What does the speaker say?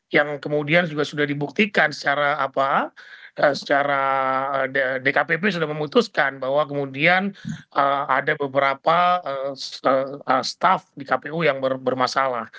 yang kemudian juga sudah dibuktikan secara dkpp sudah memutuskan bahwa kemudian ada beberapa staff di kpu yang bermasalah